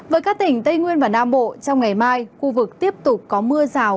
với các tỉnh tây nguyên và nam bộ trong ngày mai khu vực tiếp tục có mưa rào